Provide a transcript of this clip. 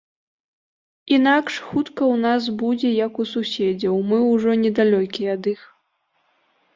Інакш хутка ў нас будзе, як у суседзяў, мы ўжо не далёкія ад іх.